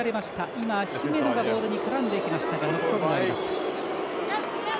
今、姫野がボールに絡んでいきノックオンがありました。